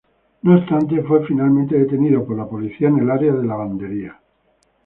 No obstante, fue finalmente detenido por la policía en el área de lavandería.